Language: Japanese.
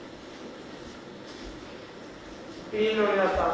職員の皆さん